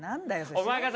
お前がさ